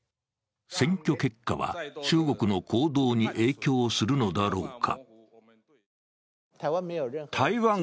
選挙結果は、中国の行動に影響するのだろうか。